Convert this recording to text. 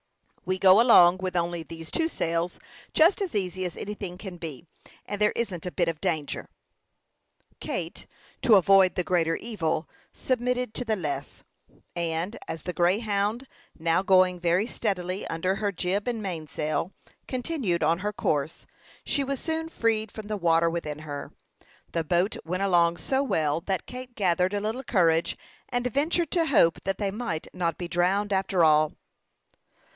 We go along with only these two sails just as easy as anything can be, and there isn't a bit of danger." Kate, to avoid the greater evil, submitted to the less; and, as the Greyhound, now going very steadily under her jib and mainsail, continued on her course, she was soon freed from the water within her. The boat went along so well that Kate gathered a little courage, and ventured to hope that they might not be drowned, after all.